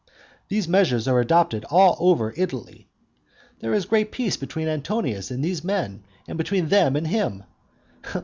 These measures are adopted all over Italy. There is great peace between Antonius and these men, and between them and him!